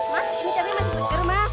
mas ini cabai masih segar mas